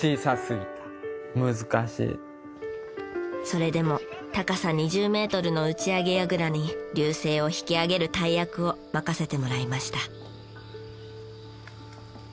それでも高さ２０メートルの打ち上げ櫓に龍勢を引き上げる大役を任せてもらいました。